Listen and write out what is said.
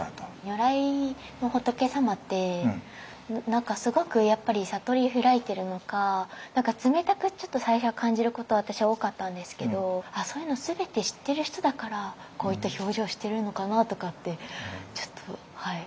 如来の仏様って何かすごくやっぱり悟りを開いてるのか何か冷たくちょっと最初は感じること私は多かったんですけどそういうのを全て知ってる人だからこういった表情してるのかなとかってちょっとはい。